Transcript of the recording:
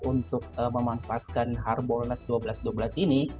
untuk memanfaatkan harbol nas dua belas dua belas ini